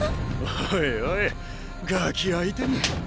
おいおいガキ相手に。